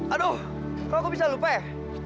aduh kalau aku bisa lupa ya